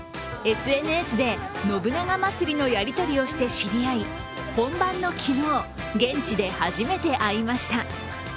ＳＮＳで信長まつりのやりとりをして知り合い、本番の昨日現地で初めて会いました。